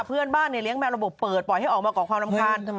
เพื่อนบ้านเนี่ยเลี้ยงแมวระบบเปิดปล่อยให้ออกมาก่อความรำคาญ